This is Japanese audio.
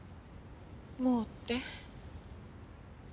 もうって？